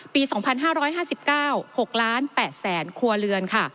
ปี๒๕๕๙๖๘๐๐๐๐๐ครัวเรือน